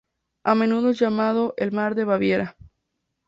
A menudo es llamado el "mar de Baviera".